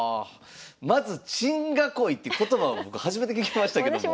まず珍囲いって言葉を僕初めて聞きましたけども。